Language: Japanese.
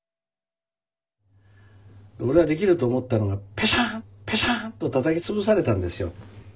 俺はできると思ったのがペシャンペシャンッとたたき潰されたんですよ。